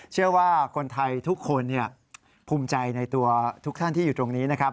เชื่อว่าคนไทยทุกคนภูมิใจในตัวทุกท่านที่อยู่ตรงนี้นะครับ